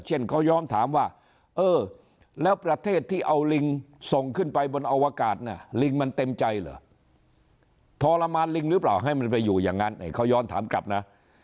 เขาย้อนถามว่าเออแล้วประเทศที่เอาลิงส่งขึ้นไปบนอวกาศน่ะลิงมันเต็มใจเหรอทรมานลิงหรือเปล่าให้มันไปอยู่อย่างนั้นเขาย้อนถามกลับนะ